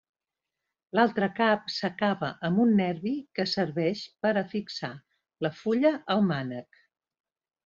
L'altre cap s'acaba amb un nervi que serveix per a fixar la fulla al mànec.